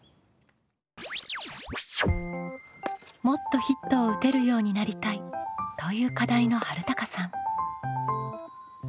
「もっとヒットを打てるようになりたい」という課題のはるたかさん。